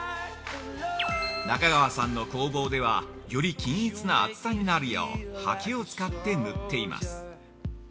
中川さんの工房ではより均一な厚さになるようはけを使って塗っています。